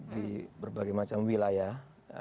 di berbagai macam wilayah